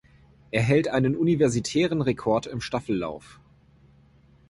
Er hält einen universitären Rekord im Staffellauf.